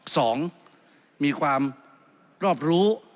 สองมีความรอบรู้